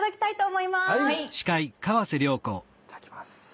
いただきます。